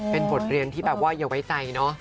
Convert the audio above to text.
เป็นบทเรียนที่แบบว่าอย่าไว้ใจเนอะ